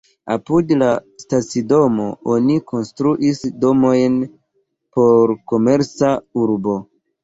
Apud la stacidomo oni konstruis domojn por komerca urbo.